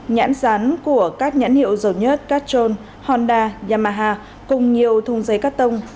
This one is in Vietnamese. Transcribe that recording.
nhãn sán của các nhãn hiệu dầu nhất cát trôn honda yamaha cùng nhiều thùng giấy cắt tông